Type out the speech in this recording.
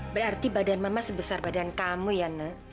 berarti badan mama sebesar badan kamu ya nak